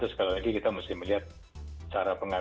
tentu sekali lagi kita mesti melihat keabsahan dari tesnya